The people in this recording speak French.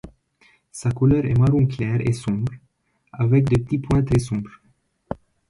Sa couleur est marron clair et sombre, avec des petits points très sombres.